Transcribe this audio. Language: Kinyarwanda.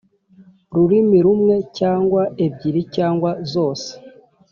Rurimi rumwe cyangwa ebyiri cyangwa zose